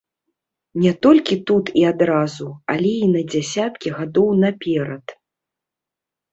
Не толькі тут і адразу, але і на дзясяткі гадоў наперад.